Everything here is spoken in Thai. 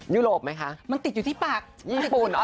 ยุโรปไหมคะมันติดอยู่ที่ปากญี่ปุ่นเหรอ